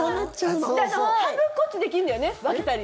半分こっつできるんだよね分けたり。